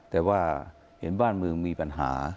แต่ว่าเห็นบ้านเมืองมีปัญหา